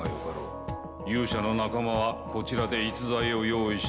勇者の仲間はこちらで逸材を用意しておく。